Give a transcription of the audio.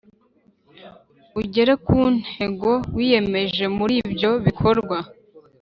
Ugere ku ntego wiyemeje muri ibyo bikorwa